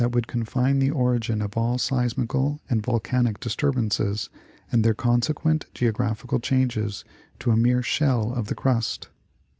would confine the origin of all seismical and volcanic disturban ces and their consequent Geogra; phical changes, to a mere shell of the crust.